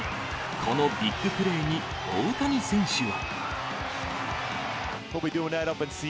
このビッグプレーに大谷選手は。